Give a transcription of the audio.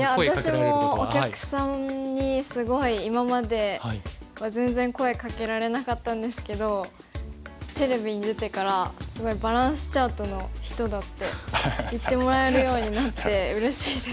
いや私もお客さんにすごい今までは全然声かけられなかったんですけどテレビに出てからすごい「バランスチャートの人だ」って言ってもらえるようになってうれしいですね。